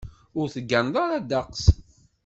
Ur tegganeḍ ara ddeqs.